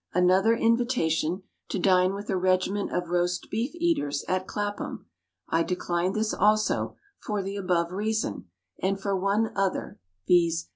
Another invitation to dine with a regiment of roast beef eaters, at Clapham. I declined this also, for the above reason, and for one other, _viz.